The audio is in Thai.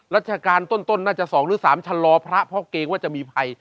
ราชการต้นน่าจะ๒หรือ๓ชะลอพระเพราะเกรงว่าจะมีภัย